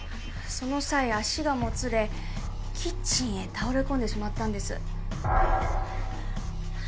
その際足がもつれキッチンへ倒れ込んでしまったんです。